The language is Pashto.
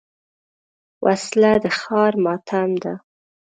وسله د ښار ماتم ده